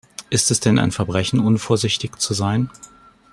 Ist es denn ein Verbrechen, unvorsichtig zu sein?